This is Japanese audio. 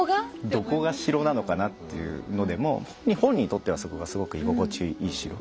「どこが城なのかな？」っていうのでも本人にとってはそこがすごく居心地いい城。